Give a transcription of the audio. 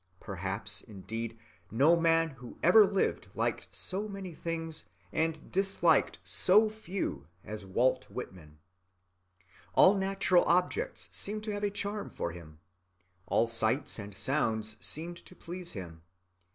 Perhaps, indeed, no man who ever lived liked so many things and disliked so few as Walt Whitman. All natural objects seemed to have a charm for him. All sights and sounds seemed to please him.